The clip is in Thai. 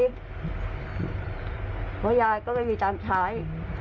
เพราะยายก็ไม่มีตังค์ใช้